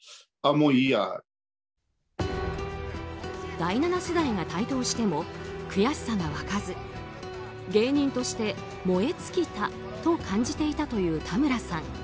第７世代が台頭しても悔しさが湧かず芸人として燃え尽きたと感じていたという、たむらさん。